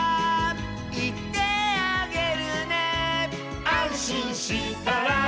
「いってあげるね」「あんしんしたら」